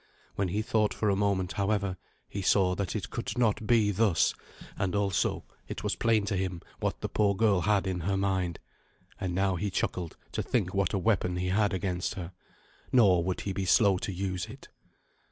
When he thought for a moment, however, he saw that it could not be thus; and also, it was plain to him what the poor girl had in her mind. And now he chuckled to think what a weapon he had against her. Nor would he be slow to use it.